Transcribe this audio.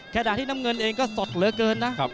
แค่ด้านที่น้ำเงินเองก็สดเหลือเกินนะครับ